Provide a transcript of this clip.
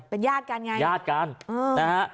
เป็นญาติกันไงญาติกันนะฮะ